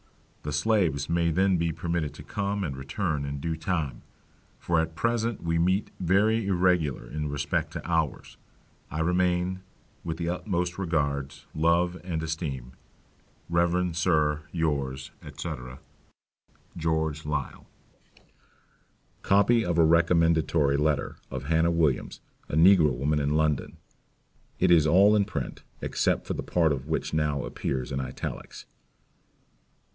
The slaves may then be permitted to come and return in due time, for at present we meet very irregular in respect to hours. I remain, with the utmost regards, love and esteem, Rev. Sir, yours, &c. George Liele. Copy of a Recommendatory Letter of Hannah Williams, a Negro Woman, in London. It is all in print, except the part of it which now appears in Italics.